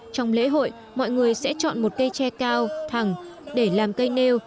trong lễ hội mọi người sẽ chọn một cây tre cao thẳng để làm cây nêu